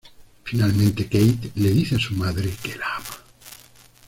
Finalmente Kate le dice a su madre que la ama.